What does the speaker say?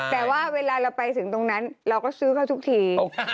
แต่ว่าเวลาเราไปถึงตรงนั้นเราก็ซื้อเขาทุกที